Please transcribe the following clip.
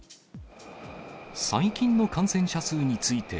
最近の感染者数について、